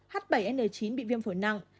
h bảy n chín bị viêm phổi nặng